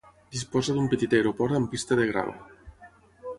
Disposa d'un petit aeroport amb pista de grava.